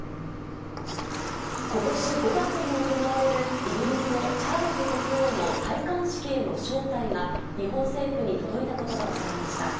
ことし５月に行われるイギリスのチャールズ国王の戴冠式への招待が、日本政府に届いたことが分かりました。